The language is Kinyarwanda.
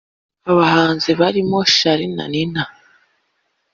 Abahanzi barimo Charly&Nina